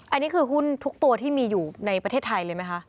อันนี้คือหุ้นทุกตัวที่มีอยู่ในประเทศไทยเลยไหมคะ